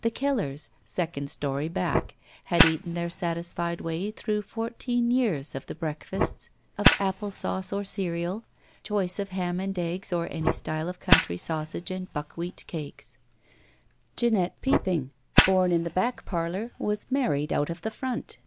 The Kellers (second story back) had eaten their satisfied way through fourteen years of the break 182 GUILTY fasts of apple sauce or cereal; choice of ham and eggs any style or country sausage and buckwheat cakes. Jeanette Peopping» bom in the back parlor, was married out of the front.